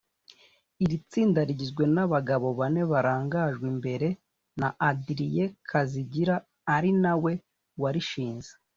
Iri tsinda rigizwe n’abagabo bane barangajwe imbere na Adrien Kazigira ari na we warishinze